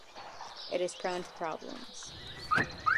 It is prone to problems.